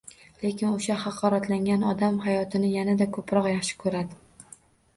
Lekin oʻsha haqoratlagan odam hayotni yanada koʻproq yaxshi koʻradi